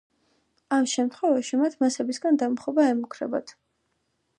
ამ შემთხვევაში მათ მასებისაგან დამხობა ემუქრებათ.